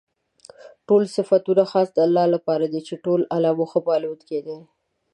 ټول صفتونه خاص د الله لپاره دي چې د ټولو عالَمونو ښه پالونكى دی.